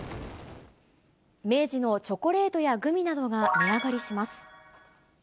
明治のチョコレートやグミなどが値上がりします。